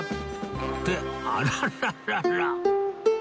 ってあらららら